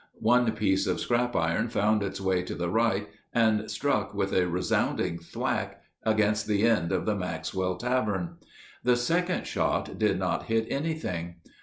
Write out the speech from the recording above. One piece of scrap iron found its way to the right, and struck with a resounding thwack against the end of the Maxwell Tavern. The second shot did not hit anything.